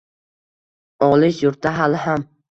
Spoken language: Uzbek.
Olis yurtda hali ham